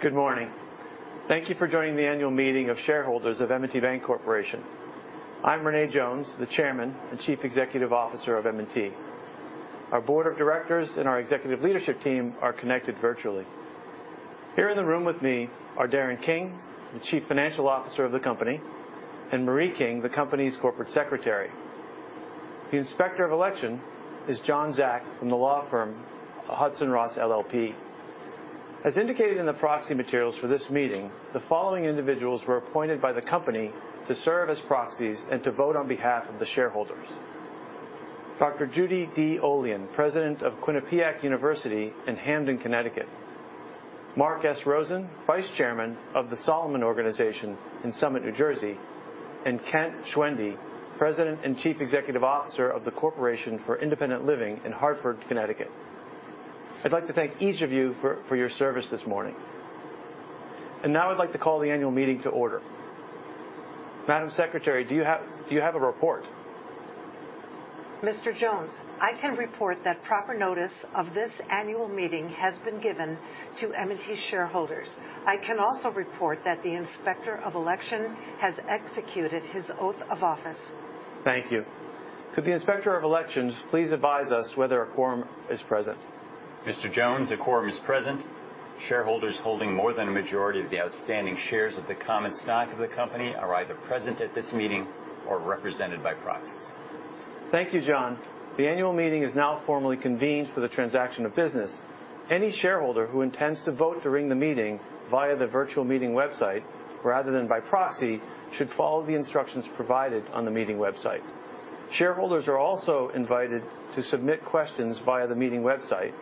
Good morning. Thank you for joining the annual meeting of shareholders of M&T Bank Corporation. I'm René Jones, the Chairman and Chief Executive Officer of M&T. Our board of directors and our executive leadership team are connected virtually. Here in the room with me are Darren King, the Chief Financial Officer of the company, and Marie King, the company's Corporate Secretary. The Inspector of Election is John Zack from the law firm Hodgson Russ LLP. As indicated in the proxy materials for this meeting, the following individuals were appointed by the company to serve as proxies and to vote on behalf of the shareholders. Dr. Judy D. Olian, President of Quinnipiac University in Hamden, Connecticut; Mark S. Rosen, Vice Chairman of The Solomon Organization in Summit, New Jersey; and Kent Schwendy, President and Chief Executive Officer of the Corporation for Independent Living in Hartford, Connecticut. I'd like to thank each of you for your service this morning. Now I'd like to call the annual meeting to order. Madam Secretary, do you have a report? Mr. Jones, I can report that proper notice of this annual meeting has been given to M&T shareholders. I can also report that the Inspector of Election has executed his oath of office. Thank you. Could the Inspector of Elections please advise us whether a quorum is present? Mr. Jones, a quorum is present. Shareholders holding more than a majority of the outstanding shares of the common stock of the company are either present at this meeting or represented by proxies. Thank you, John. The annual meeting is now formally convened for the transaction of business. Any shareholder who intends to vote during the meeting via the virtual meeting website, rather than by proxy, should follow the instructions provided on the meeting website. Shareholders are also invited to submit questions via the meeting website.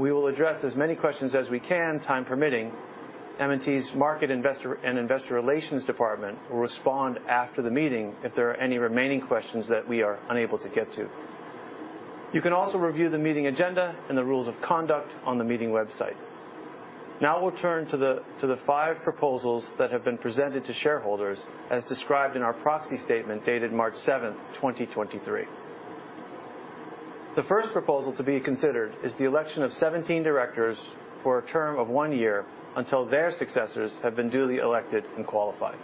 We will address as many questions as we can, time permitting. M&T's market investor and investor relations department will respond after the meeting if there are any remaining questions that we are unable to get to. You can also review the meeting agenda and the rules of conduct on the meeting website. Now we'll turn to the five proposals that have been presented to shareholders as described in our proxy statement dated March 7th, 2023. The first proposal to be considered is the election of 17 directors for a term of one year until their successors have been duly elected and qualified.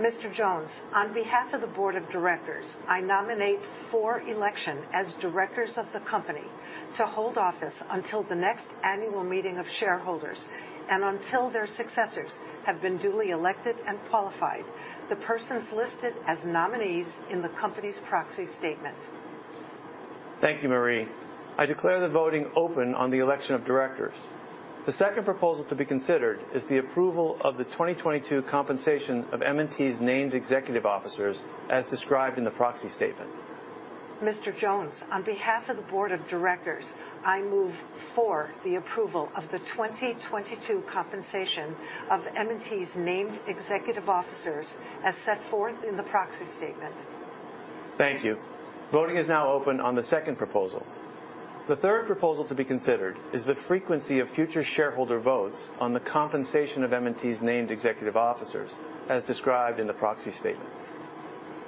Mr. Jones, on behalf of the board of directors, I nominate for election as directors of the company to hold office until the next annual meeting of shareholders and until their successors have been duly elected and qualified, the persons listed as nominees in the company's proxy statement. Thank you, Marie. I declare the voting open on the election of directors. The second proposal to be considered is the approval of the 2022 compensation of M&T's named executive officers as described in the proxy statement. Mr. Jones, on behalf of the board of directors, I move for the approval of the 2022 compensation of M&T's named executive officers as set forth in the proxy statement. Thank you. Voting is now open on the second proposal. The third proposal to be considered is the frequency of future shareholder votes on the compensation of M&T's named executive officers, as described in the proxy statement.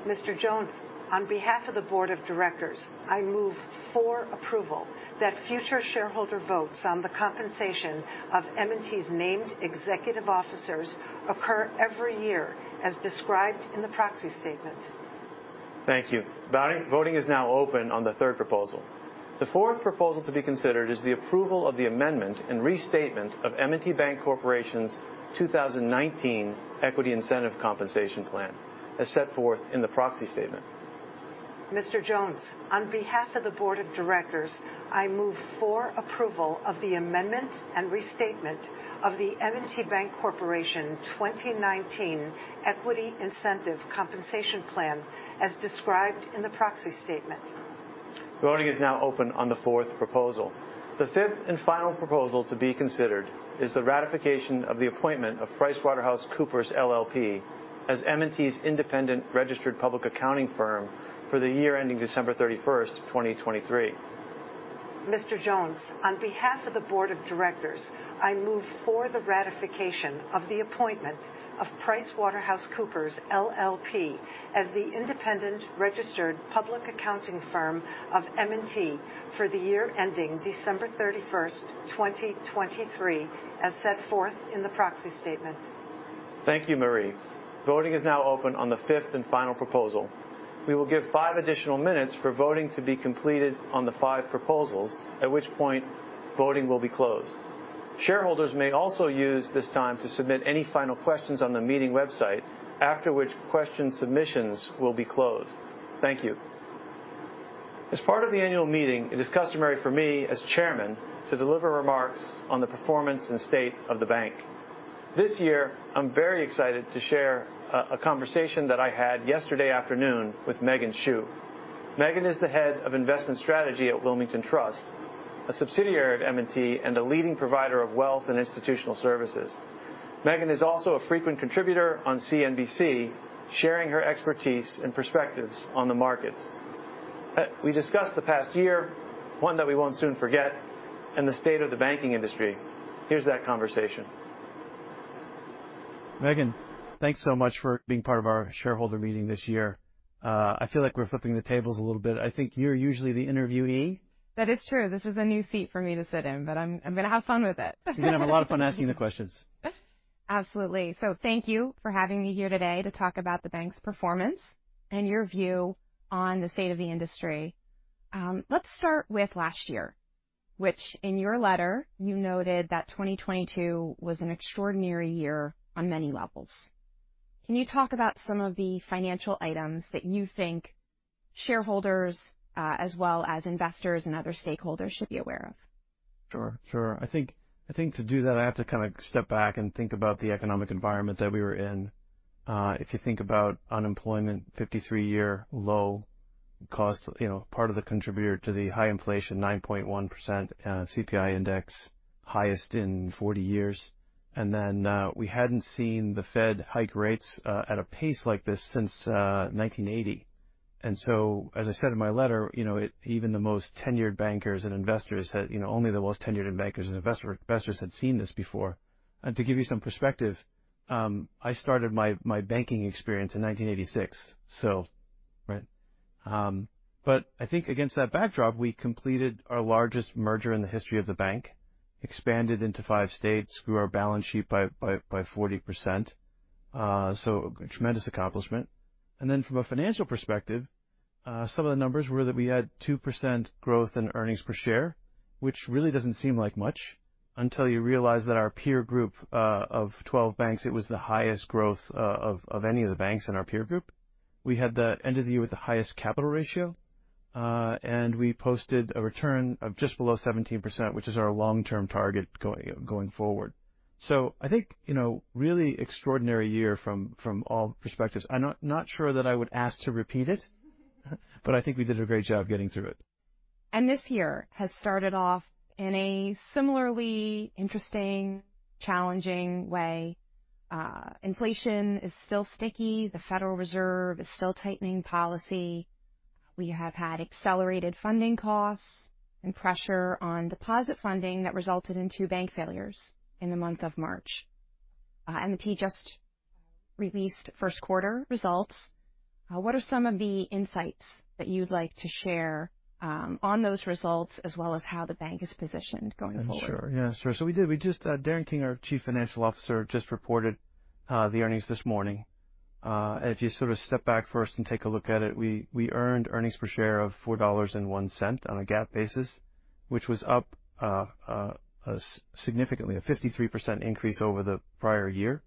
Mr. Jones, on behalf of the board of directors, I move for approval that future shareholder votes on the compensation of M&T's named executive officers occur every year, as described in the proxy statement. Thank you. Voting is now open on the third proposal. The fourth proposal to be considered is the approval of the amendment and restatement of M&T Bank Corporation's 2019 Equity Incentive Compensation Plan as set forth in the proxy statement. Mr. Jones, on behalf of the board of directors, I move for approval of the amendment and restatement of the M&T Bank Corporation 2019 Equity Incentive Compensation Plan as described in the proxy statement. Voting is now open on the fourth proposal. The fifth and final proposal to be considered is the ratification of the appointment of PricewaterhouseCoopers LLP as M&T's independent registered public accounting firm for the year ending December 31st, 2023. Mr. Jones, on behalf of the board of directors, I move for the ratification of the appointment of PricewaterhouseCoopers LLP as the independent registered public accounting firm of M&T for the year ending December 31st, 2023, as set forth in the proxy statement. Thank you, Marie. Voting is now open on the fifth and final proposal. We will give five additional minutes for voting to be completed on the five proposals, at which point voting will be closed. Shareholders may also use this time to submit any final questions on the meeting website, after which question submissions will be closed. Thank you. As part of the annual meeting, it is customary for me, as chairman, to deliver remarks on the performance and state of the bank. This year, I'm very excited to share a conversation that I had yesterday afternoon with Megan Schuh. Megan is the head of investment strategy at Wilmington Trust, a subsidiary of M&T, and a leading provider of wealth and institutional services. Megan is also a frequent contributor on CNBC, sharing her expertise and perspectives on the markets. We discussed the past year, one that we won't soon forget, and the state of the banking industry. Here's that conversation. Megan, thanks so much for being part of our shareholder meeting this year. I feel like we're flipping the tables a little bit. I think you're usually the interviewee. That is true. This is a new seat for me to sit in, but I'm gonna have fun with it. You're gonna have a lot of fun asking the questions. Absolutely. Thank you for having me here today to talk about the bank's performance and your view on the state of the industry. Let's start with last year, which in your letter you noted that 2022 was an extraordinary year on many levels. Can you talk about some of the financial items that you think shareholders, as well as investors and other stakeholders should be aware of? Sure. Sure. I think, I think to do that, I have to kind of step back and think about the economic environment that we were in. If you think about unemployment, 53-year low cost. You know, part of the contributor to the high inflation, 9.1% CPI index, highest in 40 years. We hadn't seen the Fed hike rates at a pace like this since 1980. As I said in my letter, you know, only the most tenured bankers and investors had seen this before. To give you some perspective, I started my banking experience in 1986. Right? I think against that backdrop, we completed our largest merger in the history of the bank, expanded into five states, grew our balance sheet by 40%. Tremendous accomplishment. Then from a financial perspective, some of the numbers were that we had 2% growth in earnings per share, which really doesn't seem like much until you realize that our peer group of 12 banks, it was the highest growth of any of the banks in our peer group. We had the end of the year with the highest capital ratio, and we posted a return of just below 17%, which is our long-term target going forward. I think, you know, really extraordinary year from all perspectives. I'm not sure that I would ask to repeat it. I think we did a great job getting through it. This year has started off in a similarly interesting, challenging way. Inflation is still sticky. The Federal Reserve is still tightening policy. We have had accelerated funding costs and pressure on deposit funding that resulted in two bank failures in the month of March. M&T just released first quarter results. What are some of the insights that you'd like to share on those results as well as how the bank is positioned going forward? Sure. We did. Darren King, our chief financial officer, just reported the earnings this morning. If you sort of step back first and take a look at it, we earned earnings per share of $4.01 on a GAAP basis, which was up significantly a 53% increase over the prior year.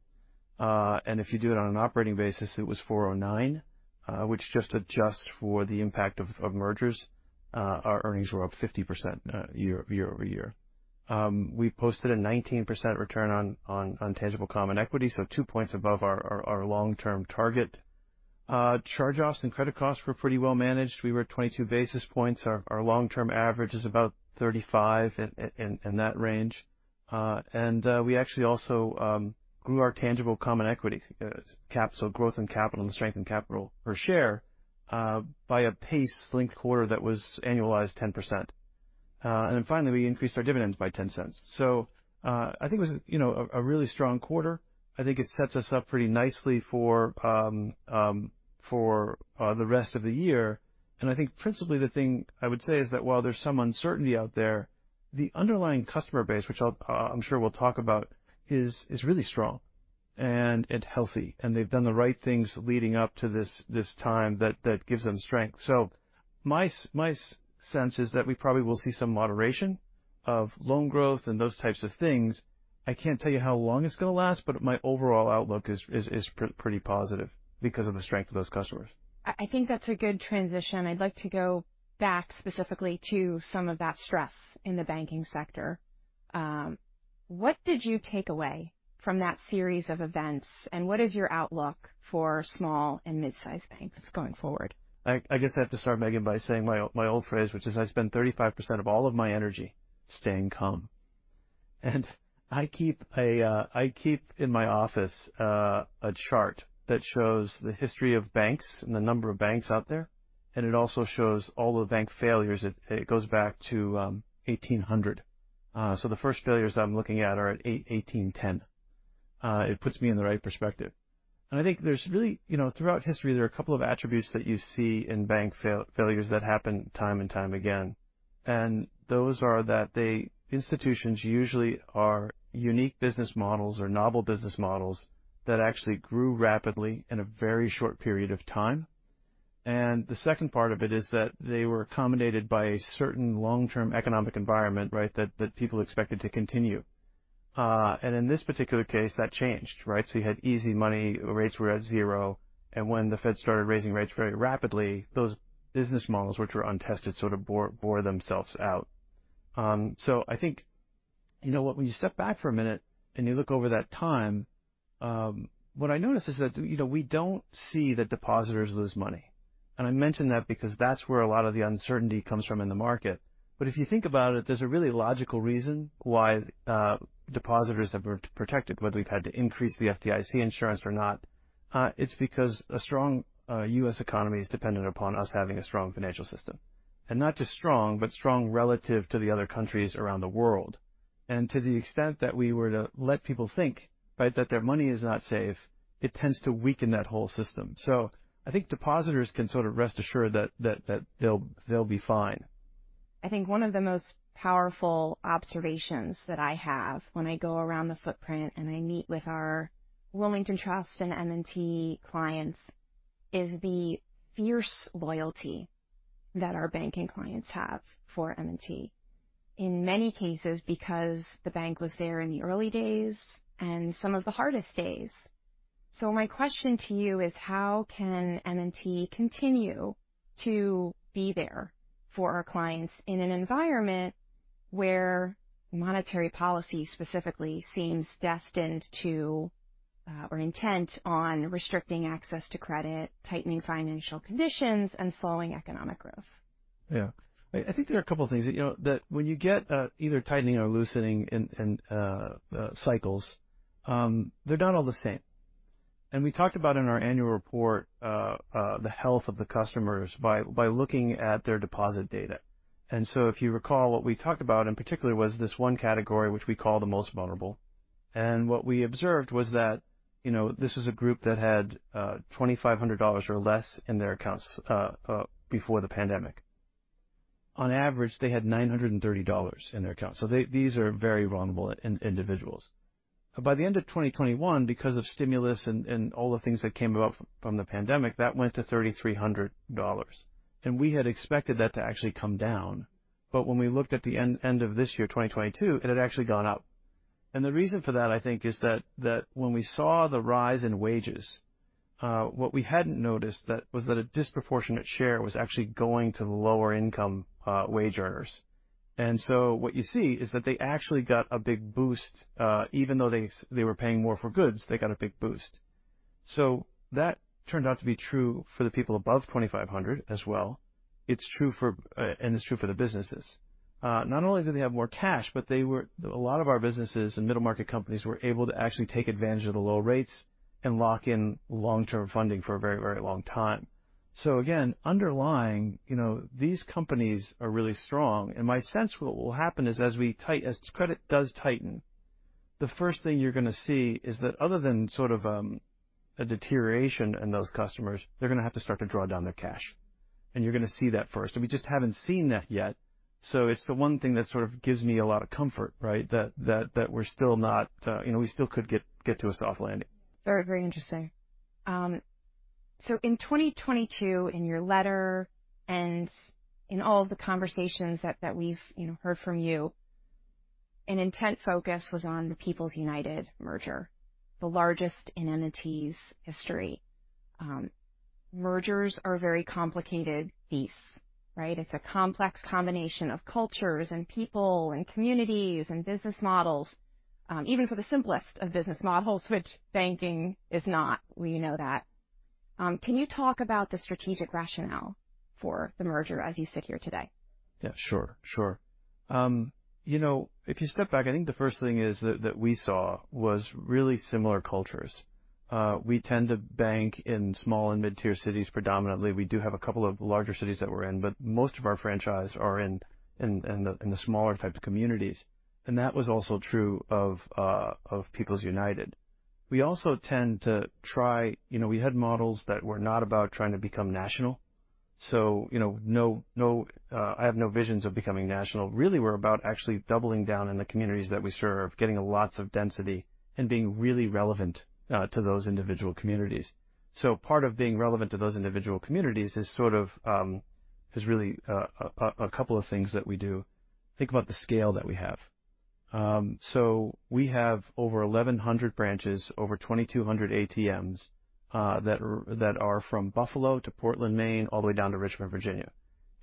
If you do it on an operating basis, it was $4.09, which just adjusts for the impact of mergers. Our earnings were up 50% year-over-year. We posted a 19% return on tangible common equity, two points above our long-term target. Charge-offs and credit costs were pretty well managed. We were at 22 basis points. Our long-term average is about 35 in that range. We actually also grew our tangible common equity capital growth and capital and strength and capital per share by a pace linked quarter that was annualized 10%. Finally, we increased our dividends by $0.10. I think it was, you know, a really strong quarter. I think it sets us up pretty nicely for the rest of the year. I think principally the thing I would say is that while there's some uncertainty out there, the underlying customer base, which I'm sure we'll talk about, is really strong and healthy, and they've done the right things leading up to this time that gives them strength. My sense is that we probably will see some moderation of loan growth and those types of things. I can't tell you how long it's gonna last, but my overall outlook is pretty positive because of the strength of those customers. I think that's a good transition. I'd like to go back specifically to some of that stress in the banking sector. What did you take away from that series of events, and what is your outlook for small and mid-sized banks going forward? I guess I have to start Megan by saying my old phrase, which is I spend 35% of all of my energy staying calm. I keep a, I keep in my office, a chart that shows the history of banks and the number of banks out there, and it also shows all the bank failures. It goes back to 1800. The first failures I'm looking at are at 1810. It puts me in the right perspective. I think there's really, you know, throughout history, there are a couple of attributes that you see in bank failures that happen time and time again. Those are that the institutions usually are unique business models or novel business models that actually grew rapidly in a very short period of time. The second part of it is that they were accommodated by a certain long-term economic environment, right? That people expected to continue. In this particular case, that changed, right? You had easy money. Rates were at zero. When the Fed started raising rates very rapidly, those business models which were untested, sort of bore themselves out. I think you know what? When you step back for a minute and you look over that time, what I noticed is that, you know, we don't see the depositors lose money. I mention that because that's where a lot of the uncertainty comes from in the market. If you think about it, there's a really logical reason why depositors have been protected, whether we've had to increase the FDIC insurance or not. It's because a strong, U.S. economy is dependent upon us having a strong financial system, and not just strong, but strong relative to the other countries around the world. To the extent that we were to let people think, right, that their money is not safe, it tends to weaken that whole system. I think depositors can sort of rest assured that they'll be fine. I think one of the most powerful observations that I have when I go around the footprint and I meet with our Wilmington Trust and M&T clients is the fierce loyalty that our banking clients have for M&T. In many cases, because the bank was there in the early days and some of the hardest days. My question to you is how can M&T continue to be there for our clients in an environment where monetary policy specifically seems destined to or intent on restricting access to credit, tightening financial conditions, and slowing economic growth? Yeah. I think there are a couple of things that, you know, that when you get either tightening or loosening in cycles, they're not all the same. We talked about in our annual report, the health of the customers by looking at their deposit data. If you recall, what we talked about in particular was this one category which we call the most vulnerable. What we observed was that, you know, this was a group that had $2,500 or less in their accounts before the pandemic. On average, they had $930 in their accounts. These are very vulnerable individuals. By the end of 2021, because of stimulus and all the things that came about from the pandemic, that went to $3,300. We had expected that to actually come down. When we looked at the end of this year, 2022, it had actually gone up. The reason for that, I think, is that when we saw the rise in wages, what we hadn't noticed that was that a disproportionate share was actually going to the lower income wage earners. What you see is that they actually got a big boost. Even though they were paying more for goods, they got a big boost. That turned out to be true for the people above $2,500 as well. It's true for, and it's true for the businesses. Not only do they have more cash, but they were. A lot of our businesses and middle-market companies were able to actually take advantage of the low rates and lock in long-term funding for a very, very long time. Again, underlying, you know, these companies are really strong. My sense what will happen is as credit does tighten, the first thing you're gonna see is that other than sort of a deterioration in those customers, they're gonna have to start to draw down their cash. You're gonna see that first. We just haven't seen that yet. It's the one thing that sort of gives me a lot of comfort, right? That we're still not, you know, we still could get to a soft landing. Very interesting. In 2022, in your letter and in all the conversations that we've, you know, heard from you, an intent focus was on the People's United merger, the largest in M&T's history. Mergers are very complicated beasts, right? It's a complex combination of cultures and people and communities and business models. Even for the simplest of business models, which banking is not, we know that. Can you talk about the strategic rationale for the merger as you sit here today? Yeah. Sure, sure. You know, if you step back, I think the first thing is that we saw was really similar cultures. We tend to bank in small and mid-tier cities predominantly. We do have a couple of larger cities that we're in, but most of our franchise are in the smaller type of communities. That was also true of People's United. You know, we had models that were not about trying to become national. You know, no, I have no visions of becoming national. Really, we're about actually doubling down in the communities that we serve, getting lots of density, and being really relevant to those individual communities. Part of being relevant to those individual communities is sort of, is really a couple of things that we do. Think about the scale that we have. We have over 1,100 branches, over 2,200 ATMs that are from Buffalo to Portland, Maine, all the way down to Richmond, Virginia.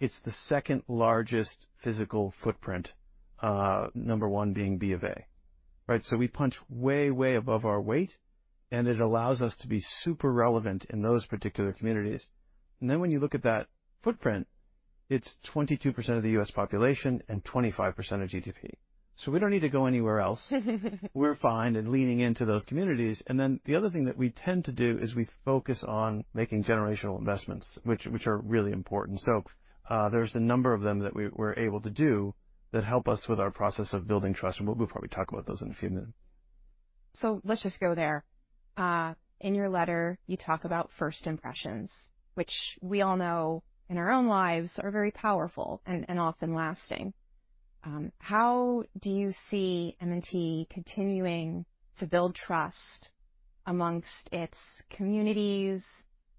It's the second-largest physical footprint, number one being B of A, right? We punch way above our weight, and it allows us to be super relevant in those particular communities. When you look at that footprint, it's 22% of the U.S. population and 25% of GDP. We don't need to go anywhere else. We're fine in leaning into those communities. The other thing that we tend to do is we focus on making generational investments, which are really important. There's a number of them that we're able to do that help us with our process of building trust, and we'll probably talk about those in a few minutes. Let's just go there. In your letter, you talk about first impressions, which we all know in our own lives are very powerful and often lasting. How do you see M&T continuing to build trust amongst its communities,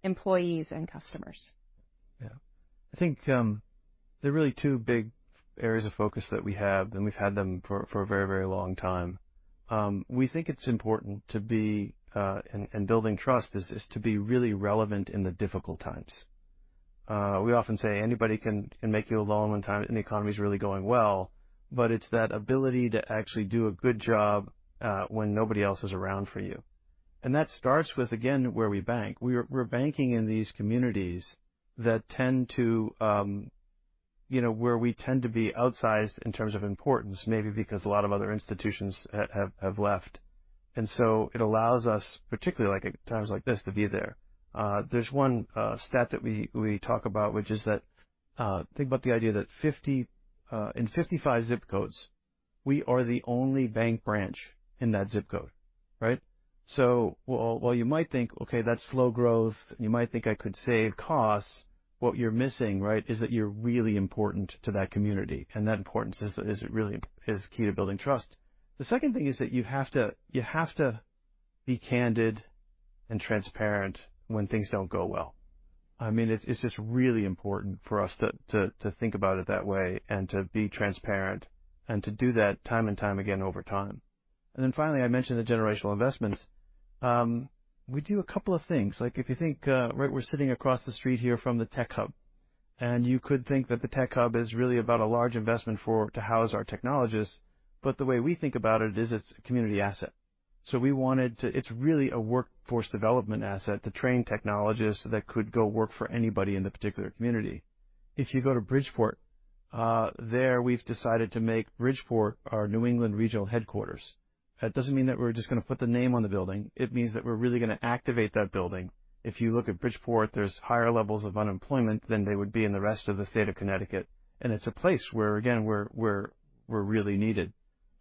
employees, and customers? Yeah. I think, there are really two big areas of focus that we have, and we've had them for a very long time. We think it's important to be, and building trust is to be really relevant in the difficult times. We often say anybody can make you a loan when the economy is really going well, but it's that ability to actually do a good job when nobody else is around for you. That starts with, again, where we bank. We're banking in these communities that tend to, you know, where we tend to be outsized in terms of importance, maybe because a lot of other institutions have left. So it allows us, particularly like at times like this, to be there. There's one stat that we talk about, which is that, think about the idea that 50 in 55 zip codes, we are the only bank branch in that zip code, right? While you might think, okay, that's slow growth, and you might think I could save costs. What you're missing, right, is that you're really important to that community, and that importance is really key to building trust. The second thing is that you have to be candid and transparent when things don't go well. I mean, it's just really important for us to think about it that way and to be transparent and to do that time and time again over time. Finally, I mentioned the generational investments. We do a couple of things. Like if you think, right? We're sitting across the street here from the Tech Hub, and you could think that the Tech Hub is really about a large investment to house our technologists, but the way we think about it is it's a community asset. It's really a workforce development asset to train technologists that could go work for anybody in the particular community. If you go to Bridgeport, there we've decided to make Bridgeport our New England regional headquarters. That doesn't mean that we're just gonna put the name on the building. It means that we're really gonna activate that building. If you look at Bridgeport, there's higher levels of unemployment than there would be in the rest of the state of Connecticut, and it's a place where, again, we're really needed.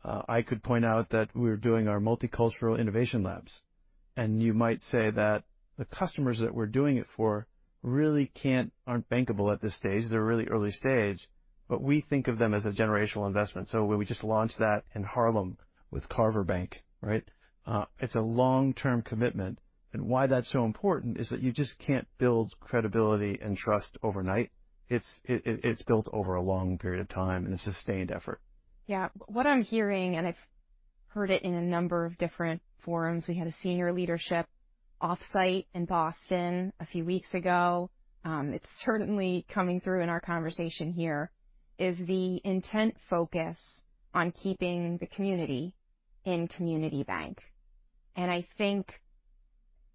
I could point out that we're doing our Multicultural Innovation Labs. You might say that the customers that we're doing it for really aren't bankable at this stage. They're really early stage. We think of them as a generational investment. We just launched that in Harlem with Carver Bank, right? It's a long-term commitment. Why that's so important is that you just can't build credibility and trust overnight. It's built over a long period of time, and it's sustained effort. Yeah. What I'm hearing, and I've heard it in a number of different forums, we had a senior leadership off-site in Boston a few weeks ago, it's certainly coming through in our conversation here, is the intent focus on keeping the community in Community Bank. I think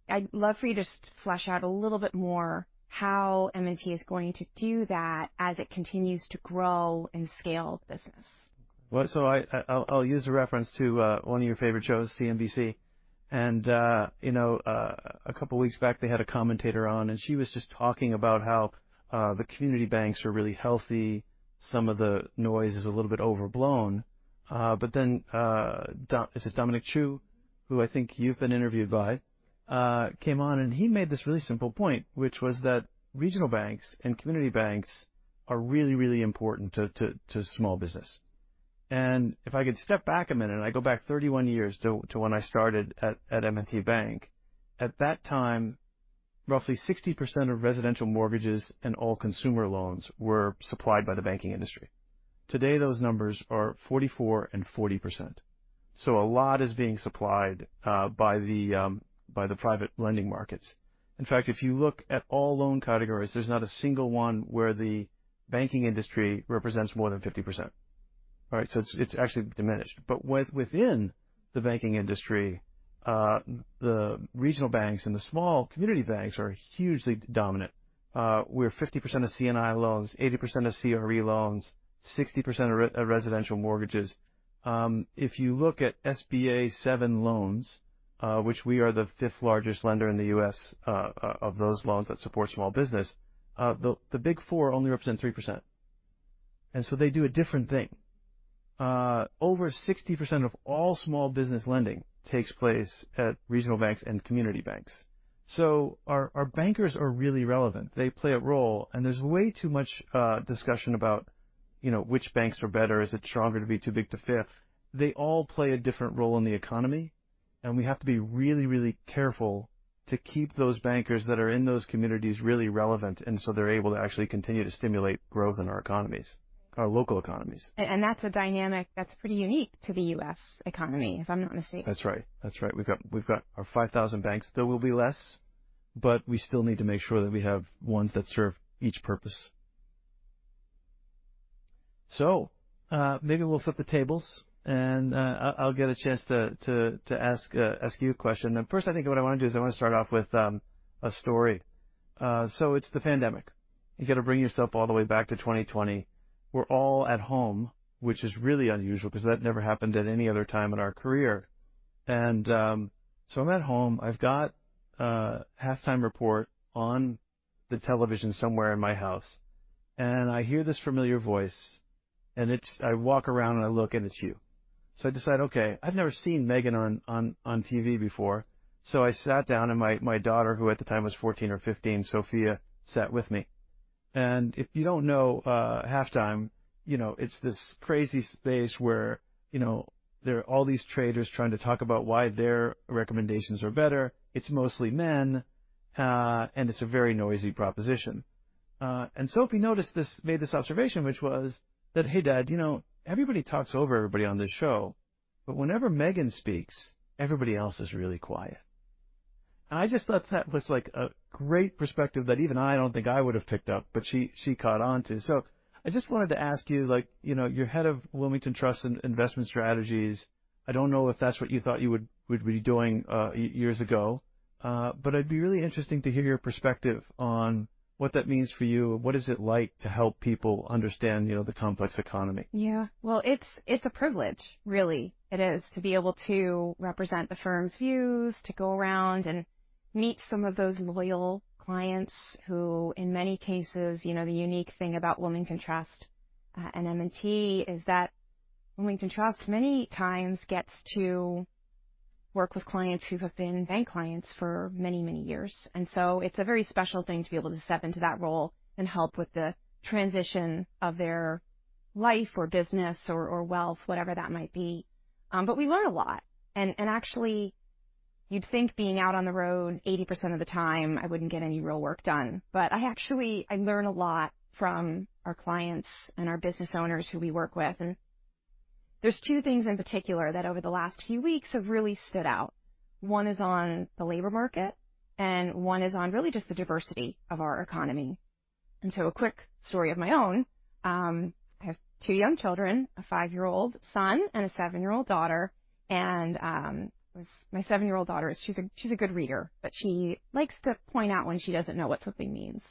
I'd love for you to just flesh out a little bit more how M&T is going to do that as it continues to grow and scale the business. I'll use a reference to one of your favorite shows, CNBC. You know, a couple weeks back, they had a commentator on, and she was just talking about how the community banks are really healthy. Some of the noise is a little bit overblown. This is Dominic Chu, who I think you've been interviewed by, came on, and he made this really simple point, which was that regional banks and community banks are really important to small business. If I could step back a minute, and I go back 31 years to when I started at M&T Bank. At that time, roughly 60% of residential mortgages and all consumer loans were supplied by the banking industry. Today, those numbers are 44% and 40%. A lot is being supplied by the private lending markets. In fact, if you look at all loan categories, there's not a single one where the banking industry represents more than 50%. All right? It's, it's actually diminished. Within the banking industry, the regional banks and the small community banks are hugely dominant. We're 50% of C&I loans, 80% of CRE loans, 60% of residential mortgages. If you look at SBA Seven loans, which we are the fifth-largest lender in the U.S., of those loans that support small business, the Big Four only represent 3%. They do a different thing. Over 60% of all small business lending takes place at regional banks and community banks. Our bankers are really relevant. They play a role, and there's way too much discussion about, you know, which banks are better. Is it stronger to be too big to fail? They all play a different role in the economy, and we have to be really, really careful to keep those bankers that are in those communities really relevant, and so they're able to actually continue to stimulate growth in our economies, our local economies. That's a dynamic that's pretty unique to the U.S. economy, if I'm not mistaken. That's right. That's right. We've got our 5,000 banks. There will be less, but we still need to make sure that we have ones that serve each purpose. Maybe we'll flip the tables, I'll get a chance to ask you a question. First, I think what I wanna do is I wanna start off with a story. It's the pandemic. You gotta bring yourself all the way back to 2020. We're all at home, which is really unusual because that never happened at any other time in our career. I'm at home. I've got Halftime Report on the television somewhere in my house. I hear this familiar voice, I walk around, I look, and it's you. I decide, okay, I've never seen Megan on TV before. I sat down, and my daughter, who at the time was 14 or 15, Sophia, sat with me. If you don't know, Halftime, you know, it's this crazy space where, you know, there are all these traders trying to talk about why their recommendations are better. It's mostly men, and it's a very noisy proposition. Sophie made this observation, which was that, "Hey, Dad, you know, everybody talks over everybody on this show, but whenever Megan speaks, everybody else is really quiet." I just thought that was, like, a great perspective that even I don't think I would have picked up, but she caught on to. I just wanted to ask you, like, you know, you're head of Wilmington Trust and Investment Strategies. I don't know if that's what you thought you would be doing, years ago, but it'd be really interesting to hear your perspective on what that means for you and what is it like to help people understand, you know, the complex economy. Yeah. Well, it's a privilege really. It is to be able to represent the firm's views, to go around and meet some of those loyal clients who in many cases, you know, the unique thing about Wilmington Trust and M&T is that Wilmington Trust many times gets to work with clients who have been bank clients for many, many years. It's a very special thing to be able to step into that role and help with the transition of their life or business or wealth, whatever that might be. We learn a lot. Actually, you'd think being out on the road 80% of the time, I wouldn't get any real work done. I actually, I learn a lot from our clients and our business owners who we work with. There's two things in particular that over the last few weeks have really stood out. One is on the labor market, and one is on really just the diversity of our economy. A quick story of my own. I have two young children, a five-year-old son and a seven-year-old daughter. My seven-year-old daughter is she's a good reader, but she likes to point out when she doesn't know what something means.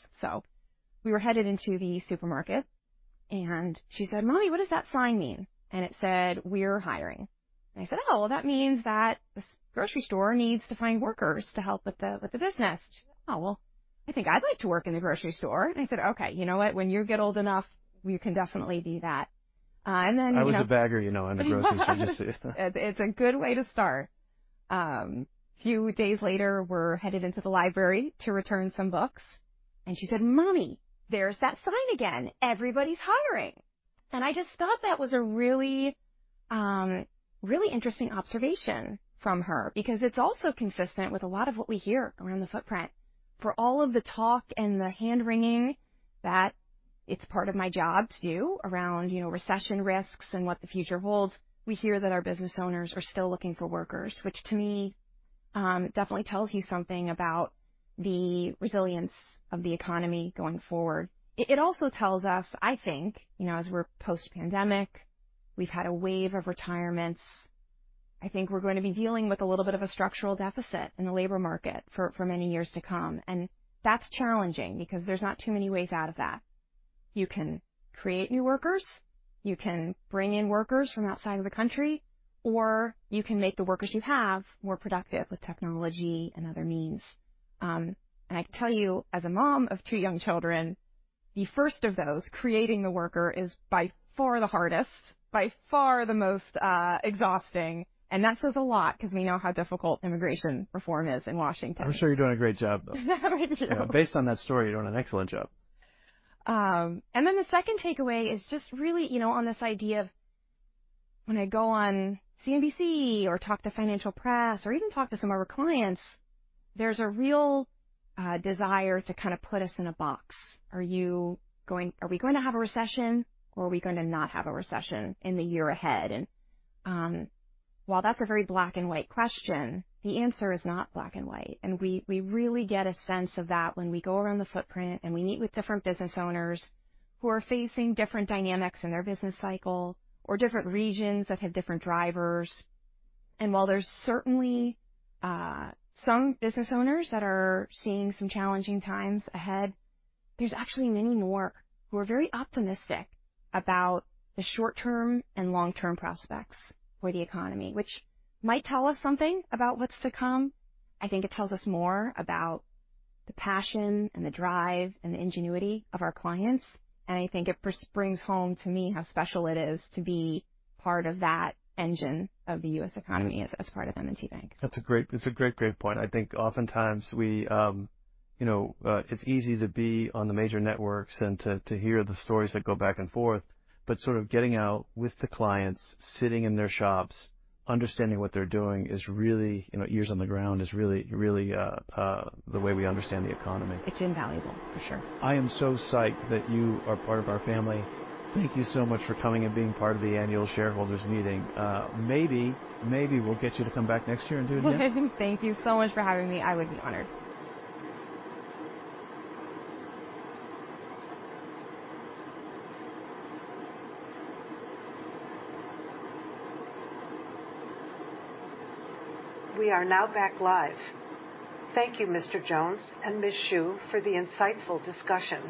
We were headed into the supermarket, and she said, "Mommy, what does that sign mean?" It said, "We're hiring." I said, "Oh, well, that means that this grocery store needs to find workers to help with the business." She said, "Oh, well, I think I'd like to work in the grocery store." I said, "Okay, you know what? When you get old enough, you can definitely do that. I was a bagger, you know, in a grocery store. It's a good way to start. A few days later, we're headed into the library to return some books, she said, "Mommy, there's that sign again. Everybody's hiring." I just thought that was a really interesting observation from her because it's also consistent with a lot of what we hear around the footprint. For all of the talk and the hand-wringing that it's part of my job to do around, you know, recession risks and what the future holds, we hear that our business owners are still looking for workers, which to me, definitely tells you something about the resilience of the economy going forward. It also tells us, I think, you know, as we're post-pandemic, we've had a wave of retirements. I think we're going to be dealing with a little bit of a structural deficit in the labor market for many years to come. That's challenging because there's not too many ways out of that. You can create new workers, you can bring in workers from outside of the country, or you can make the workers you have more productive with technology and other means. I can tell you, as a mom of two young children, the first of those, creating the worker is by far the hardest, by far the most exhausting. That says a lot because we know how difficult immigration reform is in Washington. I'm sure you're doing a great job, though. I do. Based on that story, you're doing an excellent job. The second takeaway is just really, you know, on this idea of when I go on CNBC or talk to financial press or even talk to some of our clients, there's a real desire to kind of put us in a box. Are we going to have a recession, or are we going to not have a recession in the year ahead? While that's a very black-and-white question, the answer is not black and white. We really get a sense of that when we go around the footprint and we meet with different business owners who are facing different dynamics in their business cycle or different regions that have different drivers. While there's certainly some business owners that are seeing some challenging times ahead, there's actually many more who are very optimistic about the short-term and long-term prospects for the economy, which might tell us something about what's to come. I think it tells us more about the passion and the drive and the ingenuity of our clients. I think it brings home to me how special it is to be part of that engine of the U.S. economy as part of M&T Bank. That's a great point. I think oftentimes we, you know, it's easy to be on the major networks and to hear the stories that go back and forth. Sort of getting out with the clients, sitting in their shops, understanding what they're doing is really, you know, ears on the ground is really, the way we understand the economy. It's invaluable, for sure. I am so psyched that you are part of our family. Thank you so much for coming and being part of the annual shareholders meeting. Maybe we'll get you to come back next year and do it again. Thank you so much for having me. I would be honored. We are now back live. Thank you, Mr. Jones and Ms. Schuh, for the insightful discussion.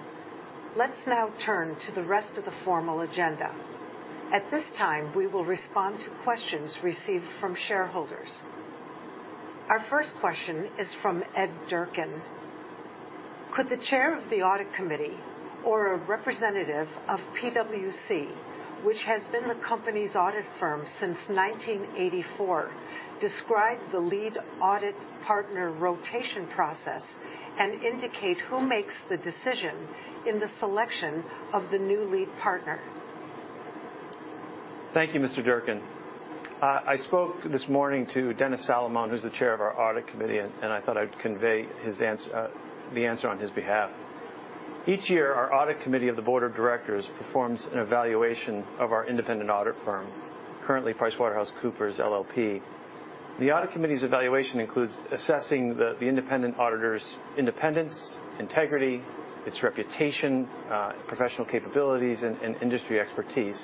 Let's now turn to the rest of the formal agenda. At this time, we will respond to questions received from shareholders. Our first question is from Ed Durkin. Could the chair of the Audit Committee or a representative of PwC, which has been the company's audit firm since 1984, describe the lead audit partner rotation process and indicate who makes the decision in the selection of the new lead partner? Thank you, Mr. Durkin. I spoke this morning to Denis J. Salamone, who's the Chair of our Audit Committee, and I thought I'd convey the answer on his behalf. Each year, our Audit Committee of the Board of Directors performs an evaluation of our independent audit firm, currently PricewaterhouseCoopers LLP. The Audit Committee's evaluation includes assessing the independent auditor's independence, integrity, its reputation, professional capabilities and industry expertise.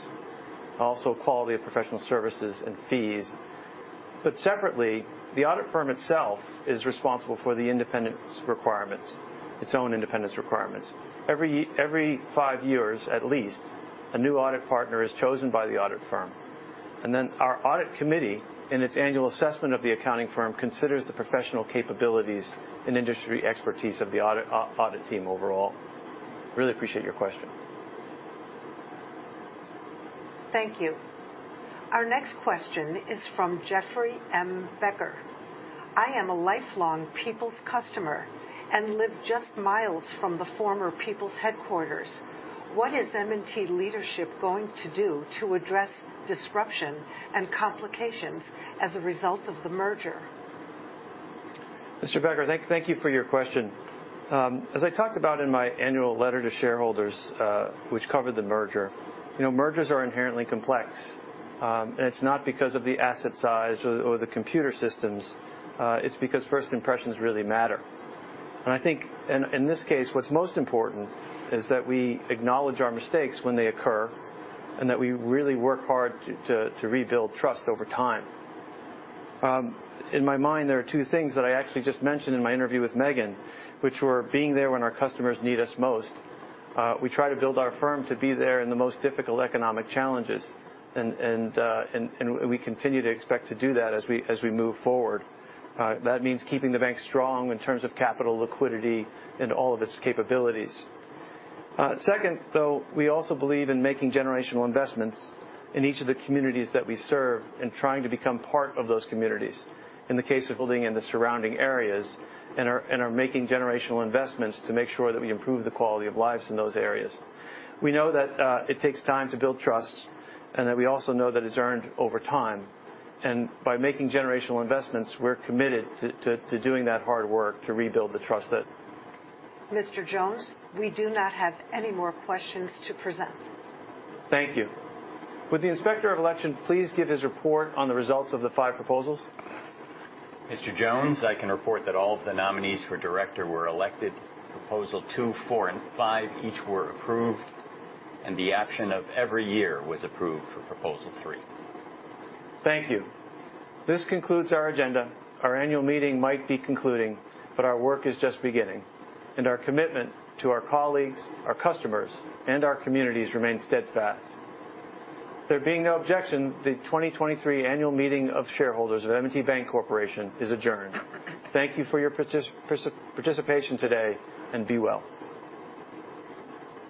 Quality of professional services and fees. Separately, the audit firm itself is responsible for the independence requirements, its own independence requirements. Every five years, at least, a new audit partner is chosen by the audit firm. Our Audit Committee, in its annual assessment of the accounting firm, considers the professional capabilities and industry expertise of the audit team overall. Really appreciate your question. Thank you. Our next question is from Jeffrey M. Becker. "I am a lifelong People's customer and live just miles from the former People's headquarters. What is M&T leadership going to do to address disruption and complications as a result of the merger? Mr. Becker, thank you for your question. As I talked about in my annual letter to shareholders, which covered the merger, you know, mergers are inherently complex. It's not because of the asset size or the computer systems, it's because first impressions really matter. I think in this case, what's most important is that we acknowledge our mistakes when they occur, and that we really work hard to rebuild trust over time. In my mind, there are two things that I actually just mentioned in my interview with Megan, which were being there when our customers need us most. We try to build our firm to be there in the most difficult economic challenges, and we continue to expect to do that as we move forward. That means keeping the bank strong in terms of capital liquidity and all of its capabilities. Second, though, we also believe in making generational investments in each of the communities that we serve and trying to become part of those communities. In the case of building in the surrounding areas and are making generational investments to make sure that we improve the quality of lives in those areas. We know that it takes time to build trust and that we also know that it's earned over time. By making generational investments, we're committed to doing that hard work to rebuild the trust. Mr. Jones, we do not have any more questions to present. Thank you. Would the Inspector of Election please give his report on the results of the five proposals? Mr. Jones, I can report that all of the nominees for director were elected. Proposal two, four and five each were approved. The action of every year was approved for proposal three. Thank you. This concludes our agenda. Our annual meeting might be concluding, but our work is just beginning. Our commitment to our colleagues, our customers, and our communities remains steadfast. There being no objection, the 2023 annual meeting of shareholders of M&T Bank Corporation is adjourned. Thank you for your participation today, and be well.